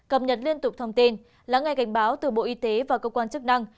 cập nhật liên tục thông tin là ngay cảnh báo từ bộ y tế và cơ quan chức năng